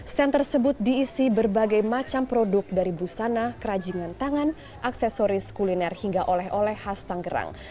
stand tersebut diisi berbagai macam produk dari busana kerajingan tangan aksesoris kuliner hingga oleh oleh khas tanggerang